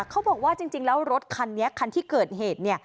เขาบอกว่าจริงแล้วรถคันนี้คันที่เกิดเหตุเนี่ย